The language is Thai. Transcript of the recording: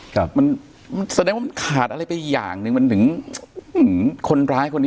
ครับมันแสดงว่ามันขาดอะไรไปอย่างหนึ่งมันถึงคนร้ายคนนี้